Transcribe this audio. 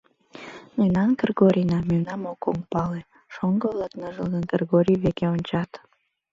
Мемнан Кыргорийна мемнам ок оҥпале, — шоҥго-влак ныжылгын Кыргорий веке ончат!